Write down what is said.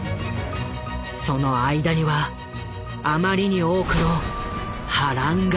その間にはあまりに多くの波乱があった。